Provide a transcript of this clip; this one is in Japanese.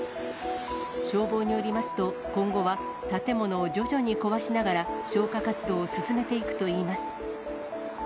消防によりますと、今後は建物を徐々に壊しながら、消火活動を進めていくといいます。